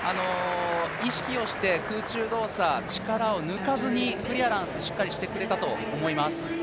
意識をして空中動作、力を抜かずにクリアランスをしっかりしてくれたと思います。